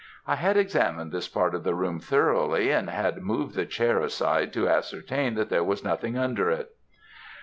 I had examined this part of the room thoroughly, and had moved the chair aside to ascertain that there was nothing under it.